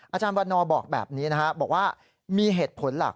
อาจารย์วันนอร์บอกแบบนี้นะครับบอกว่ามีเหตุผลหลัก